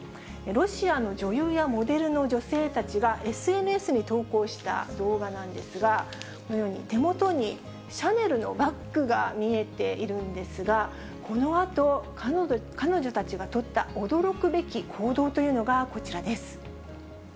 ロシアの女優やモデルの女性たちが、ＳＮＳに投稿した動画なんですが、このように手元にシャネルのバッグが見えているんですが、このあと、彼女たちが取った驚くべき行動というのがこちらです。